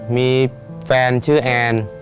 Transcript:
มีแฟนชื่อแอน